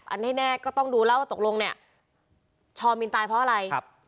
อันนี้แน่ก็ต้องดูแล้วว่าตกลงเนี่ยชอมินตายเพราะอะไรครับ